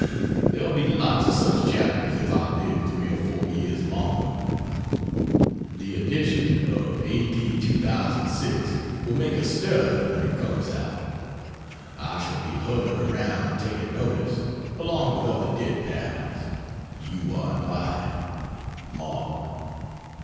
There'll be lots of such chapters if I live 3 or 4 years longer. The edition of A.D. 2006 will make a stir when it comes out. I shall be hovering around taking notice, along with other dead pals. You are invited. MARK.